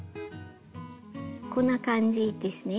こんな感じですね。